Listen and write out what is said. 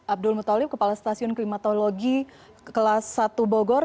abdul mutalib kepala stasiun klimatologi kelas satu bogor